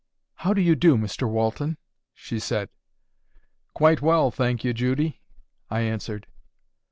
"How do you do, Mr Walton?" she said. "Quite well, thank you, Judy," I answered.